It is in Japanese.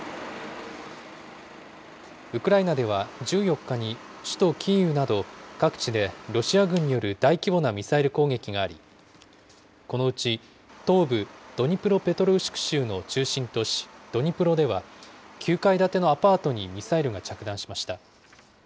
ウクライナでは１４日に首都キーウなど、各地でロシア軍による大規模なミサイル攻撃があり、このうち東部ドニプロペトロウシク州の中心都市ドニプロでは、９階建てのアパートにミサイルが着弾しました。